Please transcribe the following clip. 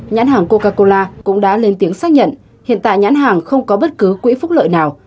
nhãn hàng coca cola cũng đã lên tiếng xác nhận hiện tại nhãn hàng không có bất cứ quỹ phúc lợi nào